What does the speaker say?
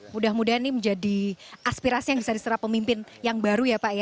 mudah mudahan ini menjadi aspirasi yang bisa diserap pemimpin yang baru ya pak ya